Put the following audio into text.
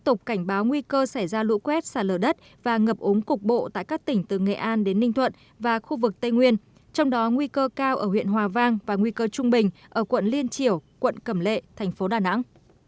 tổng lượng mưa tại các tỉnh từ nghệ an đến ninh thuận và khu vực tây nguyên trong đó nguy cơ cao ở huyện hòa vang và nguy cơ trung bình ở quận liên triểu quận cẩm lệ thành phố đà nẵng